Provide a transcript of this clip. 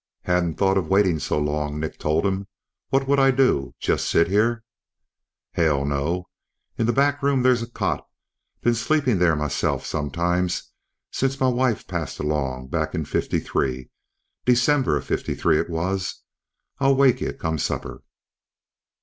"Hadn't thought of waiting so long," Nick told him. "What would I do? Just sit here?" "Hell no! In th' back room there's a cot. Been sleepin' there myself sometimes, since m'wife passed along back in '53. December of '53 it was. I'll wake ye, come supper."